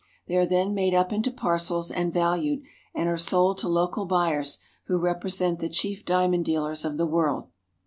They are then made up into parcels and valued, and are sold to Sorting I local buyers who represent the chief diamond dealers of the world.